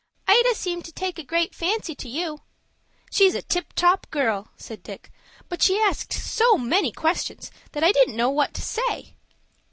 "Ida seemed to take a great fancy to you." "She's a tip top girl," said Dick, "but she asked so many questions that I didn't know what to say."